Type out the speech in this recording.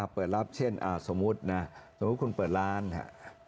เปิดรับเช่นสมมุตินะสมมุติคุณเปิดร้านครับ